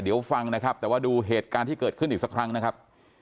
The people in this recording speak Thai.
เดี๋ยวฟังนะครับแต่ว่าดูเหตุการณ์ที่เกิดขึ้นอีกสักครั้งนะครับ